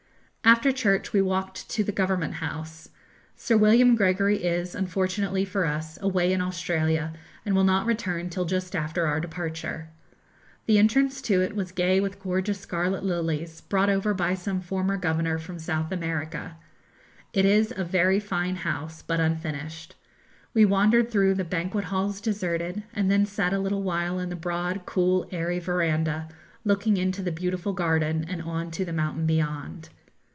After church we walked to the Government House. Sir William Gregory is, unfortunately for us, away in Australia, and will not return till just after our departure. The entrance to it was gay with gorgeous scarlet lilies, brought over by some former Governor from South America. It is a very fine house, but unfinished. We wandered through the 'banquet halls deserted,' and then sat a little while in the broad cool airy verandah looking into the beautiful garden and on to the mountain beyond.